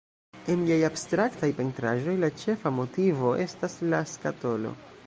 En liaj abstraktaj pentraĵoj la ĉefa motivo estas la skatolo.